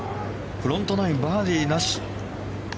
フロントナインバーディーなし。